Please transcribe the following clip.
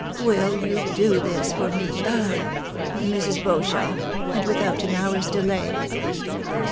Will you do this for me, Mrs. Beauchamp, and without an hour's delay?"